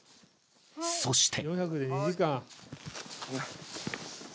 そして。